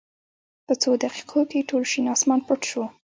په څو دقېقو کې ټول شین اسمان پټ شو.